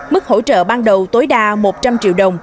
mức hỗ trợ ban đầu tối đa một trăm linh triệu đồng